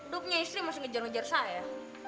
duknya istri masih ngejar ngejar saya